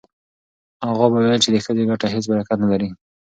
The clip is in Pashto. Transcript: اغا به ویل چې د ښځې ګټه هیڅ برکت نه لري.